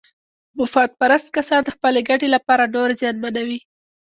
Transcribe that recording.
مفاد پرست کسان د خپلې ګټې لپاره نور زیانمنوي.